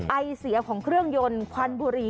ไอเสียของเครื่องยนต์ควันบุรี